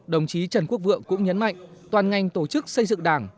đồng chí trần quốc vượng cũng nhấn mạnh toàn ngành tổ chức xây dựng đảng